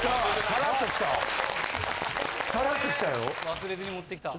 ・さらっと来た。